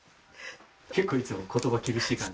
結構いつも言葉厳しい感じ？